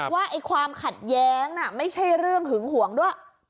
ว่าความขัดแย้งน่ะไม่ใช่เรื่องหึงหวงด้วย